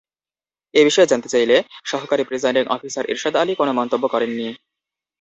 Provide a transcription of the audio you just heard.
এ বিষয়ে জানতে চাইলে সহকারী প্রিসাইডিং অফিসার এরশাদ আলী কোনো মন্তব্য করেননি।